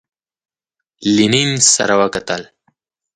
لینین سره وکتل.